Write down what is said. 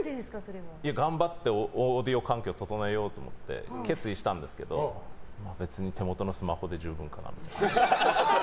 いや、頑張ってオーディオ関係を整えようと思って決意したんですけど別に手元のスマホで十分かなと思って。